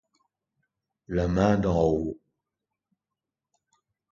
La main d'en haut !